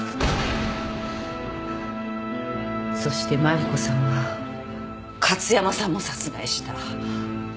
そして麻里子さんは加津山さんも殺害した。